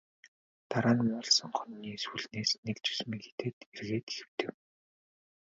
Дараа нь муулсан хонины сүүлнээс нэг зүсмийг идээд эргээд хэвтэв.